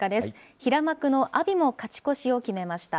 平幕の阿炎も勝ち越しを決めました。